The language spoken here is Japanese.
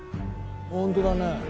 ホントだね。